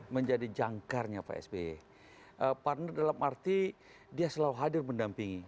menjadi jangkarnya pak sby partner dalam arti dia selalu hadir mendampingi